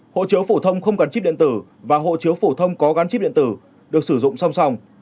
hộ chiếu phổ thông không gắn chip điện tử và hộ chiếu phổ thông có gắn chip điện tử được sử dụng song song